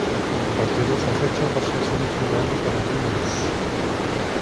A partir de esa fecha pasó a ser un ciudadano caraqueño más.